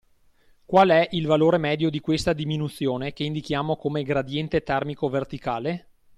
Qual e il valore medio di questa diminuzione che indichiamo come gradiente termico verticale?